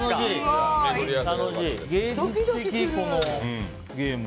芸術的、このゲーム。